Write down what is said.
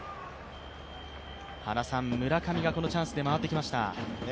村上がこのチャンスで回ってきました。